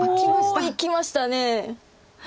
あっいきました。